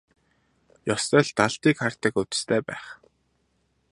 Ёстой л далдыг хардаг увдистай байх.